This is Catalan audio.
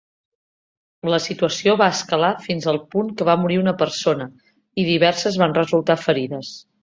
La situació va escalar fins al punt que va morir una persona i diverses van resultar ferides.